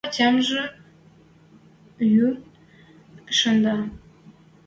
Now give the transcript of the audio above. Ӓтямжӹ йӱн шӹндӓ